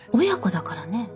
親子だからね。